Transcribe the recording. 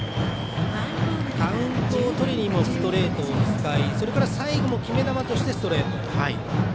カウントをとりにもストレートを使いそれから最後の決め球としてストレート。